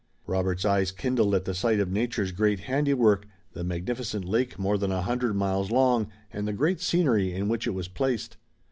Robert's eyes kindled at the sight of nature's great handiwork, the magnificent lake more than a hundred miles long, and the great scenery in which it was placed.